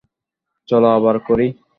চল, আবার করি।